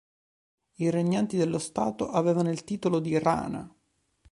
I regnanti dello stato avevano il titolo di "rana".